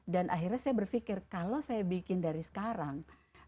dan akhirnya saya berfikir kalau saya bikin dari sekarang